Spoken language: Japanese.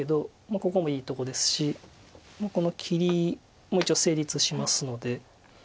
ここもいいとこですしこの切りも一応成立しますので。